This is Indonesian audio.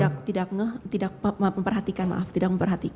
tidak memperhatikan maaf tidak memperhatikan